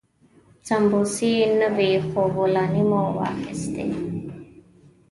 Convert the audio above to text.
سمبوسې نه وې خو بولاني مو واخيستې.